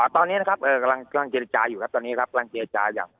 ตอนนี้นะครับกำลังเจรจาอยู่ครับตอนนี้ครับกำลังเจรจาอย่าง